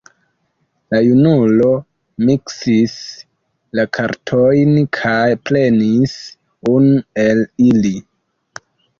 La junulo miksis la kartojn kaj prenis unu el ili.